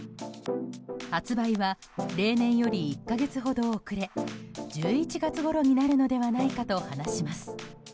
発売は例年より１か月ほど遅れ１１月ごろになるのではないかと話します。